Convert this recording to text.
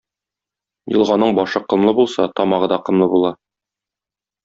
Елганың башы комлы булса, тамагы да комлы була.